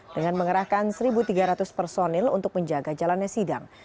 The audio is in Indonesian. dengan mengerahkan satu tiga ratus personil untuk menjaga jalannya sidang